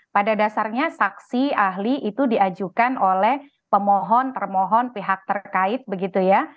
pada dasarnya saksi ahli itu diajukan oleh pemohon termohon pihak terkait begitu ya